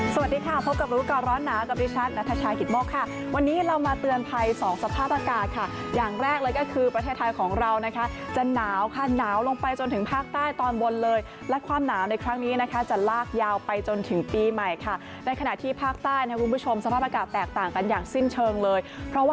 สวัสดีค่ะพบกับรู้ก่อนร้อนหนาวกับดิฉันนัทชายกิตโมกค่ะวันนี้เรามาเตือนภัยสองสภาพอากาศค่ะอย่างแรกเลยก็คือประเทศไทยของเรานะคะจะหนาวค่ะหนาวลงไปจนถึงภาคใต้ตอนบนเลยและความหนาวในครั้งนี้นะคะจะลากยาวไปจนถึงปีใหม่ค่ะในขณะที่ภาคใต้นะคุณผู้ชมสภาพอากาศแตกต่างกันอย่างสิ้นเชิงเลยเพราะว่า